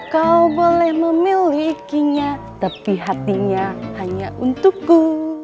kau boleh memilikinya tapi hatinya hanya untukku